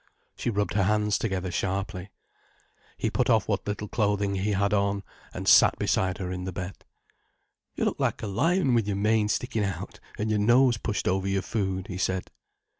She rubbed her hands together sharply. He [put off what little clothing he had on, and] sat beside her in the bed. "You look like a lion, with your mane sticking out, and your nose pushed over your food," he said.